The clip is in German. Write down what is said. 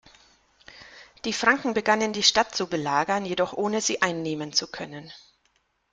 Die Franken begannen die Stadt zu belagern, jedoch ohne sie einnehmen zu können.